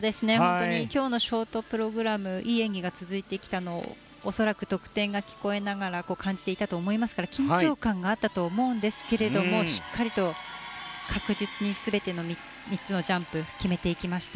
今日のショートプログラムいい演技が続いてきたのも恐らく得点が聞こえながら感じていたと思いますから緊張感があったと思うんですがしっかりと確実に全ての３つのジャンプを決めていきました。